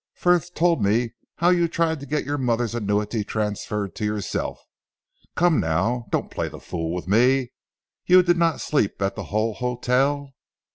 Frith told me how you tried to get your mother's annuity transferred to yourself. Come now! Don't play the fool with me. You did not sleep at the Hull hotel?"